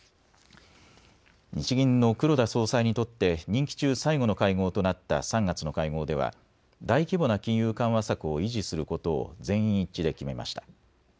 日銀の黒田総裁にとって任期中最後の会合となった３月の会合では大規模な金融緩和策を維持することを全員一致で決めました。